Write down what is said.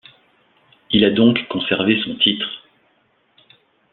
Il a donc conservé son titre.